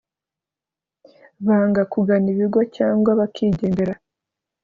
banga kugana ibigo cyangwa bakigendera